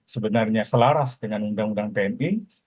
sebenarnya selaras dengan undang undang tni